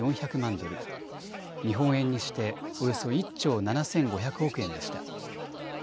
ドル、日本円にしておよそ１兆７５００億円でした。